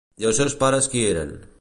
I els seus pares qui eren?